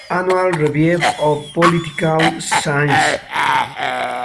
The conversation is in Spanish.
Annual Review of Political Science.